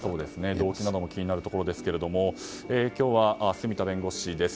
動機なども気になるところですが今日は住田弁護士です。